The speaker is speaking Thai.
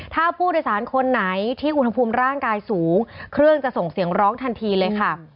ถ้าผู้โดยสารคนไหนที่อุณหภูมิร่างกายสูงเครื่องจะส่งเสียงร้องทันทีเลยค่ะ